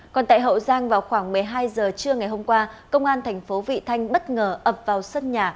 còn tại hậu giang vào khoảng một mươi hai giờ trưa ngày hôm qua công an thành phố vị thanh bất ngờ ập vào sân nhà